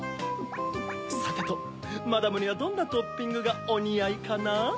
さてとマダムにはどんなトッピングがおにあいかな？